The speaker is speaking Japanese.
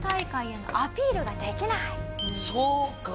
そうか。